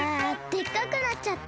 でっかくなっちゃった！